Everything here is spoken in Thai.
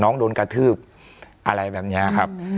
โดนกระทืบอะไรแบบนี้ครับ